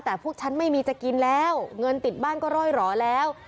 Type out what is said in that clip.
แต่พวกฉันไม่มีจะกินแล้วเงินติดบ้านก็ร่อยหล่อแล้ว